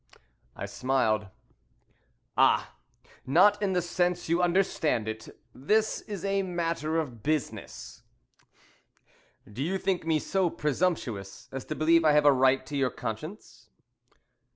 I smiled. "Ah, not in the sense you understand it this is a matter of business." "Do you think me so presumptuous as to believe I have a right to your conscience?"